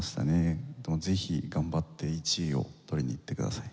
ぜひ頑張って１位を取りにいってください。